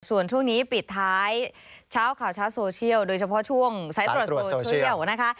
ส่วนช่วงนี้ปิดท้ายเช้าข่าวเช้าโซเชียลโดยเฉพาะช่วงสายตรวจโซเชียลนะคะ